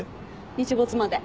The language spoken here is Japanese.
日没まで。